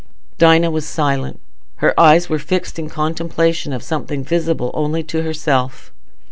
Dinah was silent; her eyes were fixed in contemplation of something visible only to herself.